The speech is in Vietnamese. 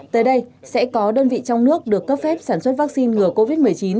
tới đây sẽ có đơn vị trong nước được cấp phép sản xuất vaccine ngừa covid một mươi chín